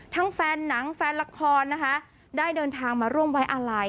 แฟนหนังแฟนละครนะคะได้เดินทางมาร่วมไว้อาลัย